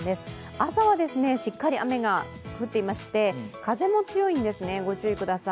朝はしっかり雨が降っていまして風も強いんですね、ご注意ください。